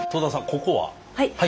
ここは？